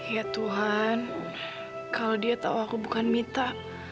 ya tuhan kalau dia tau aku bukan mita